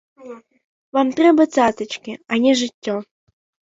Вам трэба цацачкі, а не жыццё.